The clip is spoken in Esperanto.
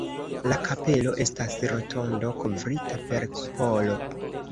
La kapelo estas rotondo kovrita per kupolo.